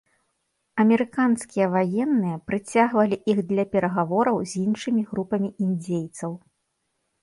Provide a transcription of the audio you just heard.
Амерыканскія ваенныя прыцягвалі іх для перагавораў з іншымі групамі індзейцаў.